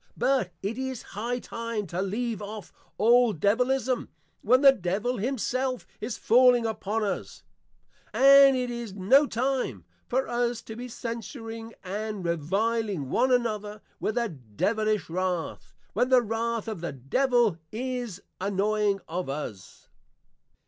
But it is high time to leave off all Devilism, when the Devil himself is falling upon us: And it is no time for us to be Censuring and Reviling one another, with a Devilish wrath, when the wrath of the Devil is annoying of us.